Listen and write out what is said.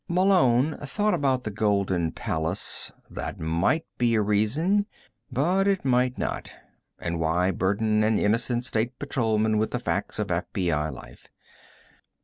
Malone thought about the Golden Palace. That might be a reason but it might not. And why burden an innocent State Patrolman with the facts of FBI life?